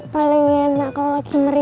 paling enak kalau laki laki